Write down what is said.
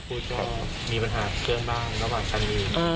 กูจะมีปัญหาเกินบ้างระหว่างคันนี้